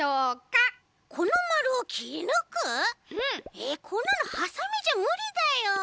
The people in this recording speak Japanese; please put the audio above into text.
えっこんなのはさみじゃむりだよ！